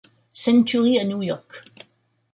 Century, à New York.